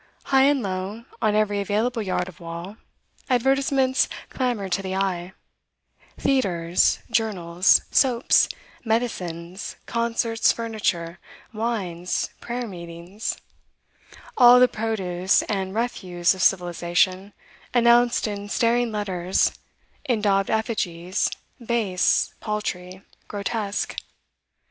High and low, on every available yard of wall, advertisements clamoured to the eye: theatres, journals, soaps, medicines, concerts, furniture, wines, prayer meetings all the produce and refuse of civilisation announced in staring letters, in daubed effigies, base, paltry, grotesque.